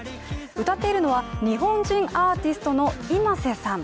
歌っているのは日本人アーティストのｉｍａｓｅさん。